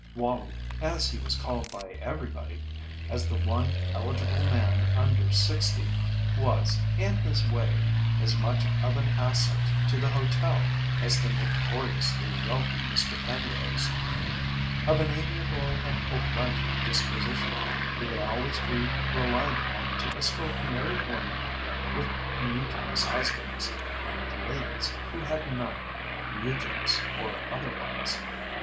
"Wallie," as he was called by everybody, as the one eligible man under sixty, was, in his way, as much of an asset to the hotel as the notoriously wealthy Mr. Penrose. Of an amiable and obliging disposition, he could always be relied upon to escort married women with mutinous husbands, and ladies who had none, mutinous or otherwise.